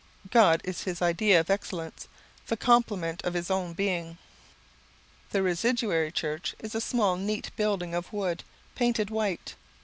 God is his idea of excellence, the compliment of his own being." The Residuary church is a small neat building of wood, painted white.